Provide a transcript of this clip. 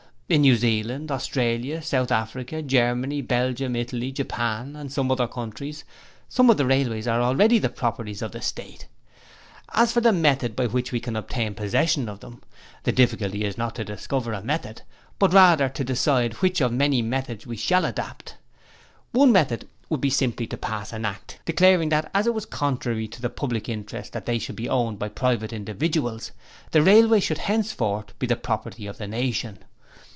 In New Zealand, Australia, South Africa, Germany, Belgium, Italy, Japan and some other countries some of the railways are already the property of the State. As for the method by which we can obtain possession of them, the difficulty is not to discover a method, but rather to decide which of many methods we shall adopt. One method would be to simply pass an Act declaring that as it was contrary to the public interest that they should be owned by private individuals, the railways would henceforth be the property of the nation.